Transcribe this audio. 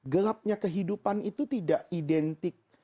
gelapnya kehidupan itu tidak identik